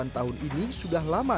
dua puluh delapan tahun ini sudah lama